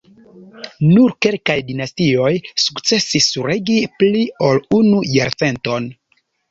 Nur kelkaj dinastioj sukcesis regi pli ol unu jarcenton.